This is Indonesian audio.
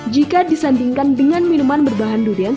jika disandingkan dengan minuman berbahan durian